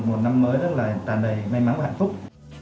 một năm mới rất là tàn đầy may mắn và hạnh phúc